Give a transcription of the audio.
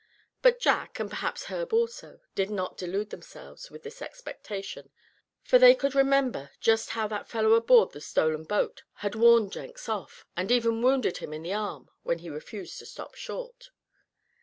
But Jack, and perhaps Herb also, did not delude themselves with this expectation; for they could remember just how that fellow aboard the stolen boat had warned Jenks off, and even wounded him in the arm when he refused to stop short.